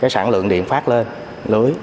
sản lượng điện phát lên lưới